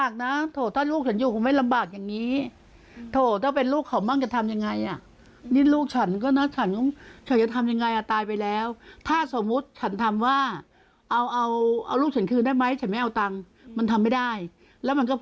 ก็ดีเกินไปเขาเหนือเหมือนสัตว์เลยค่ะ